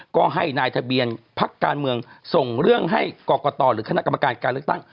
ก็ให้นายทะเบียนพักการเมืองส่งเรื่องให้กรกตหรือคณะกรรมการการเลือกตั้ง